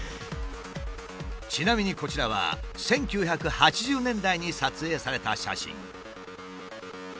ちなみにこちらは１９８０年代に撮影された写真。